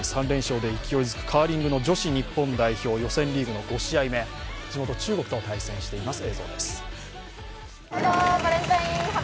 ３連勝で勢いづくカーリング女子日本代表、予選リーグの５試合目、地元中国と対戦しています。